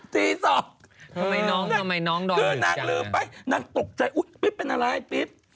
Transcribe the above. ตี๒นางลืมไปนางตกใจอุ๊ยปิ๊บเป็นอะไรปิ๊บ